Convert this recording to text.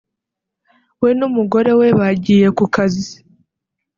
we n’umugore we bagiye ku kazi